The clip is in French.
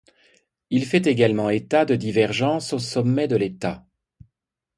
Il fait également état de divergences au sommet de l'État.